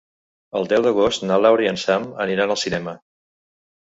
El deu d'agost na Laura i en Sam aniran al cinema.